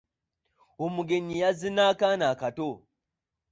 Omugenyi yazze na'kaana akato.